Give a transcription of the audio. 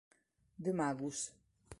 The Magus